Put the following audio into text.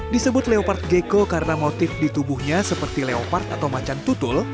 disebut leopard gecko karena motif di tubuhnya seperti leopard atau macan tutul